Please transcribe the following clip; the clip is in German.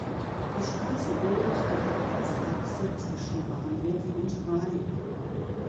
Die Straße bildet die Verkehrsachse zwischen Bahnhof und Rhein.